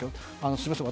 すみません。